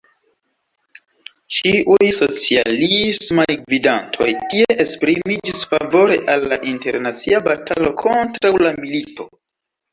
Ĉiuj socialismaj gvidantoj tie esprimiĝis favore al internacia batalo kontraŭ la milito.